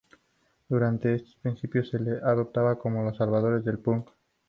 Durante estos principios, se les apodaba como los salvadores del "punk".